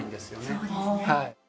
そうですね。